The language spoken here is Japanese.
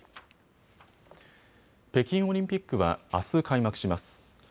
北京オリンピックはあす開幕します。